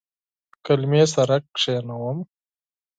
کلمې سره کښینوم